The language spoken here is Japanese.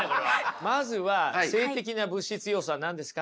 まずは「静的な物質要素」は何ですか？